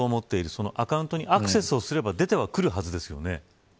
そのアカウントにアクセスをすれば出てくるはずですよね。